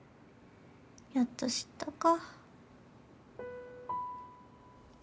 やっと知ったか。